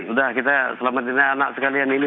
udah kita selamat ini anak sekalian nih